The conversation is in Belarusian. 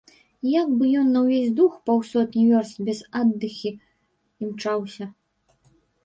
Як бы ён на ўвесь дух паўсотні вёрст без аддыхі імчаўся?